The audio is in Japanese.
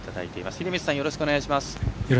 秀道さん、よろしくお願いします。